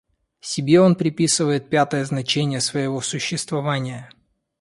Себе он приписывает пятое значение своего существования.